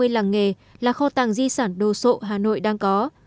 một ba trăm năm mươi làng nghề là kho tàng di sản đồ sộ hà nội đang có